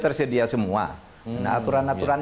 tersedia semua nah aturan aturan